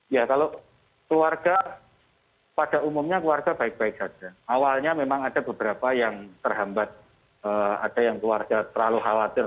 ya kalau keluarga pada umumnya keluarga baik baik saja awalnya memang ada beberapa yang terhambat ada yang keluarga terlalu khawatir